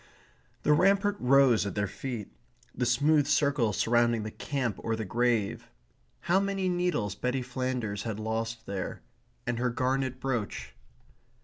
The rampart rose at their feet the smooth circle surrounding the camp or the grave. How many needles Betty Flanders had lost there; and her garnet brooch.